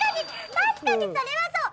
確かにそれはそう！